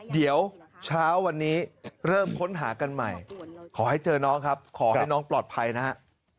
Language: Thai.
เดี๋ยวเช้าวันนี้เริ่มค้นหากันใหม่ขอให้เจอน้องครับขอให้น้องปลอดภัยนะฮะ